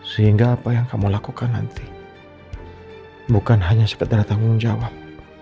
sehingga apa yang kamu lakukan nanti bukan hanya sekedar tanggung jawab